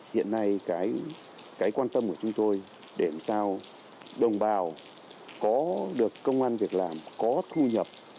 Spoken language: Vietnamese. hiện nay cái quan tâm của chúng tôi để làm sao đồng bào có được công an việc làm có thu nhập